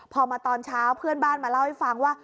พอมาตอนเช้าเพื่อนบ้านมาเล่าให้ฟังว่า